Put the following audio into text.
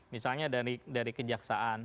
misalnya dari kejaksaan